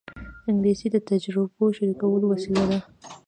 انګلیسي د تجربو شریکولو وسیله ده